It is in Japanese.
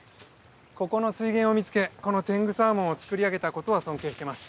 ここの水源を見つけこの天狗サーモンをつくり上げたことは尊敬してます。